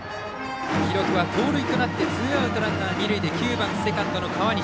記録は盗塁となってツーアウト、ランナー、二塁で９番、セカンドの川西。